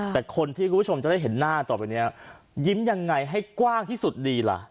แต่คนที่คุณผู้ชมจะได้เห็นหน้าต่อไปเนี่ยยิ้มยังไงให้กว้างที่สุดดีล่ะ